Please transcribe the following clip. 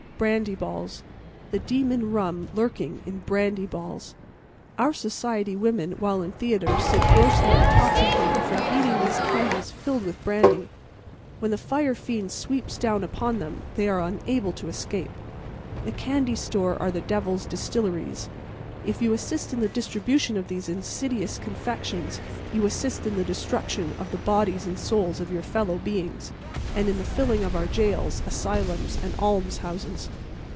Brandy balls. The demon rum lurking in brandy balls. Our society women while in theatres sit grossly intoxicated from eating these candies filled with brandy. When the fire fiend sweeps down upon them they are unable to escape. The candy stores are the devil's distilleries. If you assist in the distribution of these insidious confections you assist in the destruction of the bodies and souls of your fellow beings, and in the filling of our jails, asylums and almshouses.